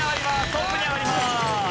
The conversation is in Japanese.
トップに上がります。